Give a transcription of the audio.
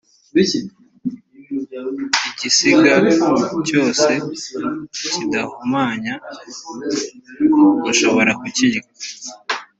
igisiga cyose kidahumanya, mushobora kukirya.